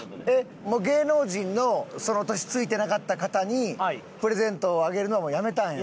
もう芸能人のその年ついてなかった方にプレゼントをあげるのはもうやめたんや？